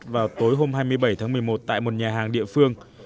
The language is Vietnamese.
vào tối hôm hai mươi bảy tháng một mươi một tại một nhà hàng địa phương